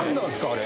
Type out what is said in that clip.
あれ。